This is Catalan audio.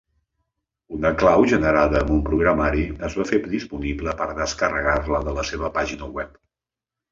Una clau generada amb un programari es va fer disponible per descarregar-la de la seva pàgina web.